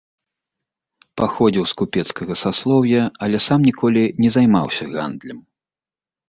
Паходзіў з купецкага саслоўя, але сам ніколі не займаўся гандлем.